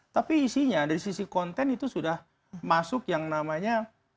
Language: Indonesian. tapi isinya dari sisi konten itu sudah masuk yang namanya